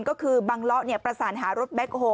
ก็คือบังเลาะประสานหารถแบ็คโฮล